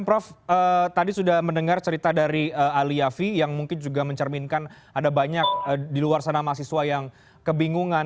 prof tadi sudah mendengar cerita dari aliavi yang mungkin juga mencerminkan ada banyak di luar sana mahasiswa yang kebingungan